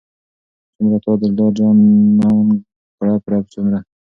څومره تا دلدار جانان کړم رب څومره